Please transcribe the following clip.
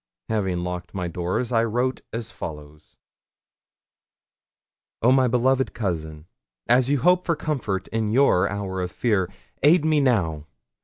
Having locked my door, I wrote as follows: 'Oh, my beloved cousin, as you hope for comfort in your hour of fear, aid me now.